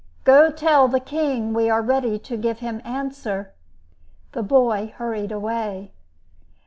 "Go tell the king we are ready to give him answer." The boy hurried away.